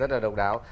vâng rất là độc đáo